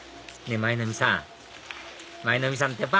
舞の海さん舞の海さんってば！